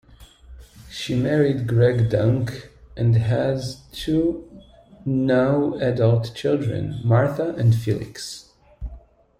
She married Greg Dunk and has two now adult children, Martha and Felix.